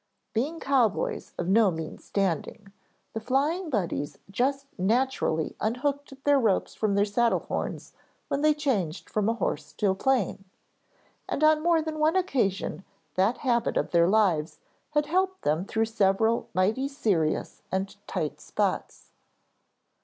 Being cowboys of no mean standing, the Flying Buddies just naturally unhooked their ropes from their saddle horns when they changed from a horse to a plane, and on more than one occasion that habit of their lives had helped them through several mighty serious and tight spots.